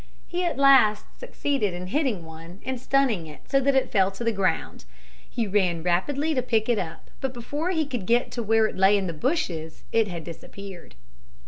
He at last succeeded in hitting one and stunning it so that it fell to the ground. He ran rapidly to pick it up, but before he could get to where it lay in the bushes it had disappeared.